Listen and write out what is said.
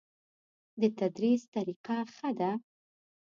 د تدریس طریقه ښه ده؟